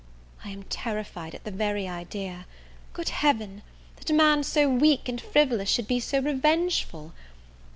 I am terrified at the very idea. Good Heaven! that a man so weak and frivolous should be so revengeful!